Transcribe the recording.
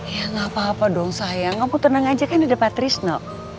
ya gak apa apa dong sayang kamu tenang aja kan ada patrisno